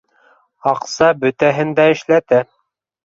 Аҡса бөтәһен дә эшләтә.